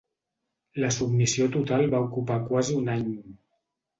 La submissió total va ocupar quasi un any.